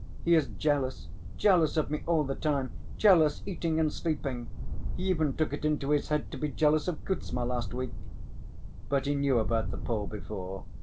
He is jealous, jealous of me all the time, jealous eating and sleeping! He even took it into his head to be jealous of Kuzma last week." "But he knew about the Pole before?"